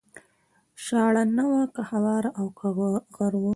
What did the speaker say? شاړه نه وه که هواره او که غر و